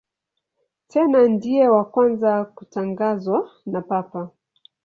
Tena ndiye wa kwanza kutangazwa na Papa.